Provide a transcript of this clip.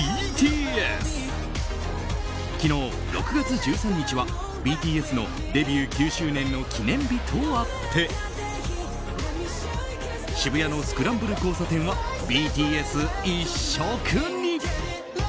昨日６月１３日はＢＴＳのデビュー９周年の記念日とあって渋谷のスクランブル交差点はＢＴＳ一色に。